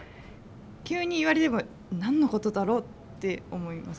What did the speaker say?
急に言われれば何のことだろうって思います。